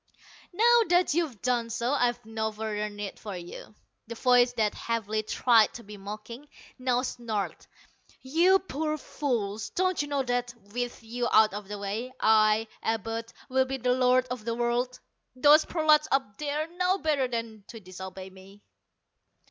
"Now that you've done so, I've no further need for you." The voice that heavily tried to be mocking, now snarled. "You poor fools, don't you know that with you out of the way, I, Abud, will be the Lord of the World. Those prolats up there know better than to disobey me."